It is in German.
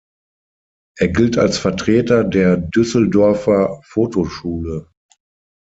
Er gilt als Vertreter der Düsseldorfer Fotoschule.